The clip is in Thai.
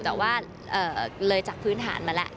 แต่ว่าเลยจากพื้นฐานมาแล้ว